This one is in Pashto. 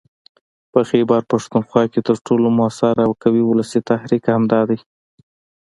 په خيبرپښتونخوا کې تر ټولو موثر او قوي ولسي تحريک همدا دی